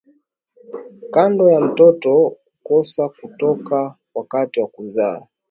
Kondo ya mtoto kukosa kutoka wakati wa kuzaa